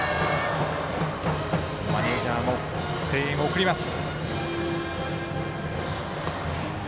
マネージャーも声援を送ります。